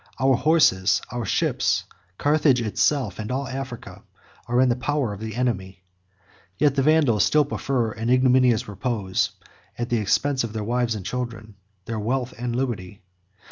Our horses, our ships, Carthage itself, and all Africa, are in the power of the enemy. Yet the Vandals still prefer an ignominious repose, at the expense of their wives and children, their wealth and liberty.